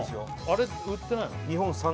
あれ売ってないの？